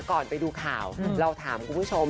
ก่อนไปดูข่าวเราถามคุณผู้ชม